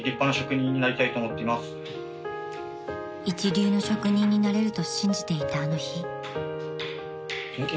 ［一流の職人になれると信じていたあの日］